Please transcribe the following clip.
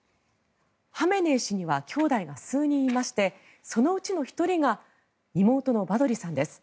ハメネイ師にはきょうだいが数人いましてそのうちの１人が妹のバドリさんです。